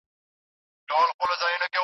ژبنۍ وده به چټکه شي.